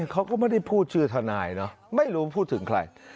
เขาก็ไม่ได้พูดชื่อทนายเนอะไม่รู้พูดถึงใคร